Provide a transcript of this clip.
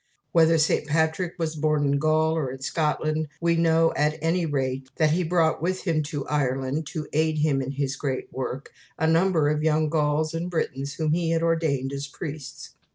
Whether St. Patrick was born in Gaul or in Scotland, we know at any rate that he brought with him to Ireland, to aid him in his great work, a number of young Gauls and Britons whom he had ordained as priests.